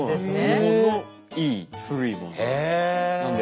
日本のいい古いもの。